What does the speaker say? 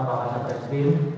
pak kasa presidium